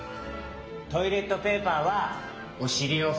トイレットペーパーはおしりをふくもの。